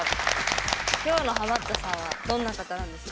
今日のハマったさんはどんな方なんですか？